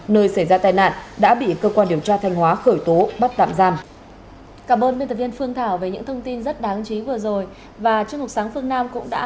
nơi xảy ra tai nạn đã bị cơ quan điều tra thanh hóa khởi tố bắt tạm giam